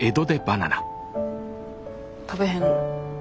食べへんの？え？